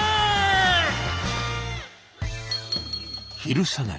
昼下がり